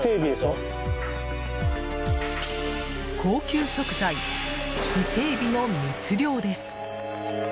高級食材イセエビの密漁です。